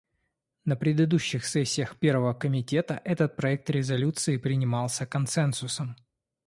На предыдущих сессиях Первого комитета этот проект резолюции принимался консенсусом.